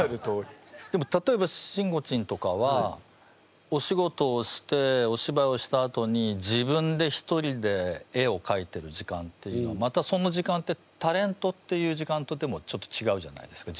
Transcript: でも例えばしんごちんとかはお仕事をしておしばいをしたあとに自分で一人で絵をかいてる時間っていうのはまたその時間ってタレントっていう時間とでもちょっとちがうじゃないですか。